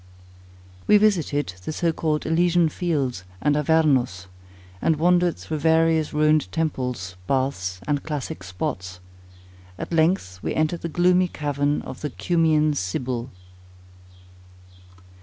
We visited the so called Elysian Fields and Avernus; and wandered through various ruined temples, baths, and classic spots; at length we entered the gloomy cavern of the Cumæan Sibyl.